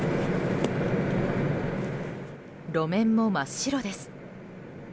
路面も真っ白です。